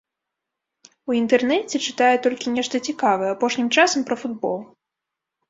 У інтэрнэце чытае толькі нешта цікавае, апошнім часам пра футбол.